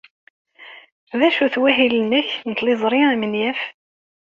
D acu-t wahil-nnek n tliẓri amenyaf?